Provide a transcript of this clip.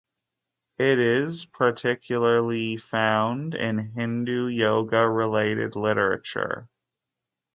It is particularly found in Hindu Yoga-related literature.